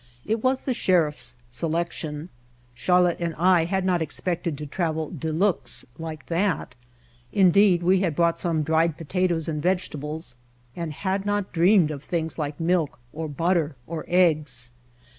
It was the Sheriff's selection; Charlotte and I had not expected to travel de luxe like that. Indeed we had brought some dried potatoes and vegetables and had not dreamed of things like milk or butter or eggs.